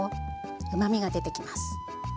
うまみが出てきます。